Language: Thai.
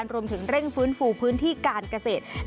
รวมถึงเร่งฟื้นฝูพื้นที่การเกษตรหลังน้ำลด